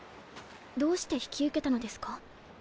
どうして引き受けたのですか？